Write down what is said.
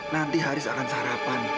nanti haris akan sarapan